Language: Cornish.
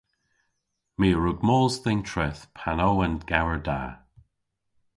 My a wrug mos dhe'n treth pan o an gewer da.